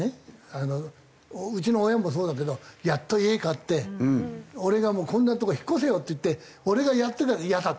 あのうちの親もそうだけどやっと家買って俺が「もうこんなとこ引っ越せよ」って言って俺がやってたら「イヤだ」って。